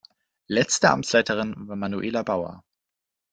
Letzte Amtsleiterin war Manuela Bauer.